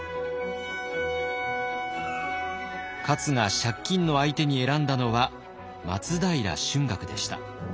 勝が借金の相手に選んだのは松平春嶽でした。